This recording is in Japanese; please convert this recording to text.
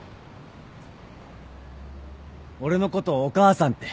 俺のことお母さんって。